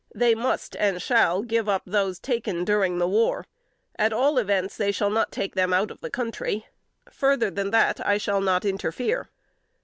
They must, and shall, give up those taken during the war: at all events, they shall not take them out of the country. Further than that, I shall not interfere."